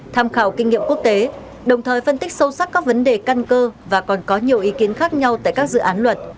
tham khảo kinh nghiệm quốc tế đồng thời phân tích sâu sắc các vấn đề căn cơ và còn có nhiều ý kiến khác nhau tại các dự án luật